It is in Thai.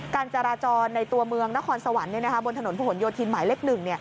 การจราจรในตัวเมืองนครสวรรค์บนถนนผนโยธินหมายเลข๑